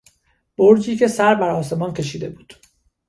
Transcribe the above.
برجی که سر برآسمان کشیده بود